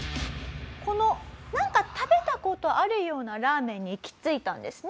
このなんか食べた事あるようなラーメンに行き着いたんですね。